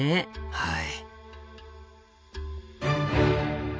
はい。